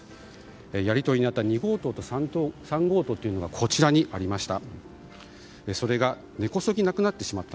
やり取りのあった２号棟と３号棟というのがこちらにありました。